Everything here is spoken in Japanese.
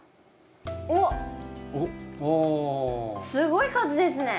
おっすごい数ですね。